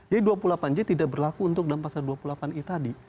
jadi dua puluh delapan j tidak berlaku untuk dalam pasal dua puluh delapan i tadi